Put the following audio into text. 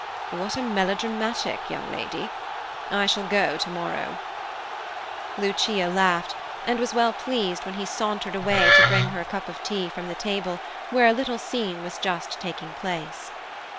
"What a melodramatic young lady! I shall go tomorrow." Lucia laughed, and was well pleased when he sauntered away to bring her a cup of tea from the table where a little scene was just taking place.